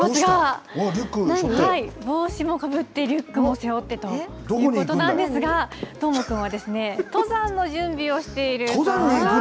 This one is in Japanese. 帽子もかぶって、リックも背負ってということなんですが、どーもくんは、登山の準備をしてい登山に行くの？